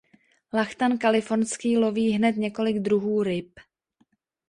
Lachtan kalifornský loví hned několik druhů ryb.